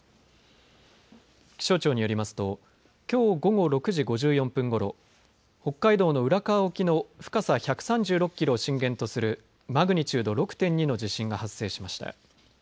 気象庁によりますときょう午後６時５４分ごろ北海道の浦河沖の深さ１３６キロを震源とするマグニチュード６．２の地震が発生しました。